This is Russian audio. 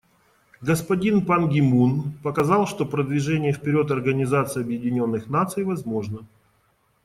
Господин Пан Ги Мун показал, что продвижение вперед Организации Объединенных Наций возможно.